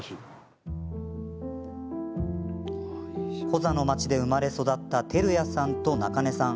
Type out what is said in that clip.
コザの町で生まれ育った照屋さんと中根さん。